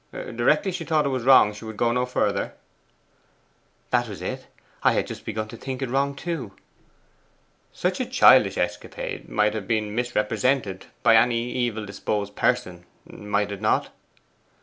'Directly she thought it was wrong she would go no further?' 'That was it. I had just begun to think it wrong too.' 'Such a childish escapade might have been misrepresented by any evil disposed person, might it not?